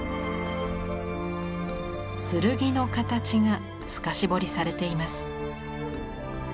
剣の形が透かし彫りされています。